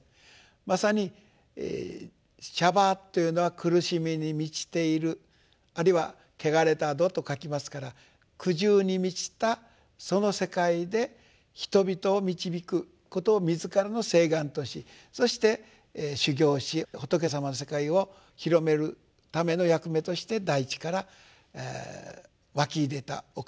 まさに娑婆というのは苦しみに満ちているあるいは穢れた土と書きますから苦渋に満ちたその世界で人々を導くことを自らの誓願としそして修行し仏様の世界を広めるための役目として大地から涌き出たお方だと。